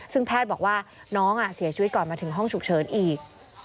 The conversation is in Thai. ซึ่งแพทย์บอกว่าน้องเสียชีวิตก่อนมาถึงห้องฉุกเฉินอีก